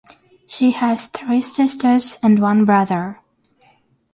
She has three sisters and one brother.